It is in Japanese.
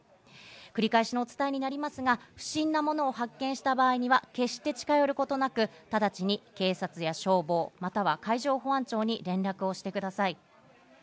繰り返しのお伝えになりますが、不審なものを発見した場合には決して近寄ることなく直ちに警察や消防、または海上保安庁に連絡をしてください。